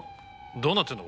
どうなってんだ？